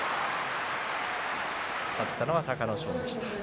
勝ったのは隆の勝です。